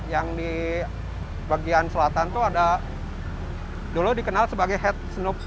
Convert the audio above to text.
yang di bagian selatan tuh ada dulu dikenal sebagai head snoop's whiz